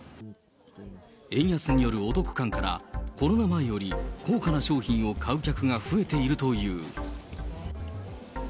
円安によるお得感からコロナ前より高価な商品を買う客が増えているという。